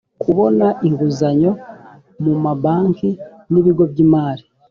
kubona inguzanyo mu ma banki n ibigo by imari